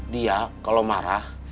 dia kalau marah